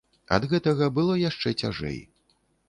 Ад гэтага было яшчэ цяжэй.